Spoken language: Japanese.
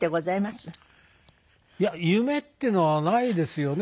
いや夢っていうのはないですよね。